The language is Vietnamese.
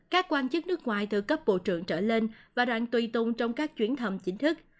các quan chức nước ngoài từ cấp bộ trưởng trở lên và đoàn tùy tùng trong các chuyến thăm chính thức